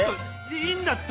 いいんだって！